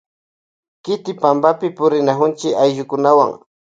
Kiki pampapi purinakunchi ayllukunawan.